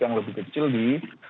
yang lebih kecil di